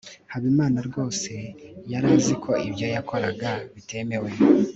habimana rwose yari azi ko ibyo yakoraga bitemewe